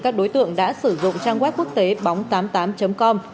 các đối tượng đã sử dụng trang web quốc tế bóng tám mươi tám com